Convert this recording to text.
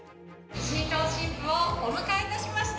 新郎新婦をお迎えいたしました。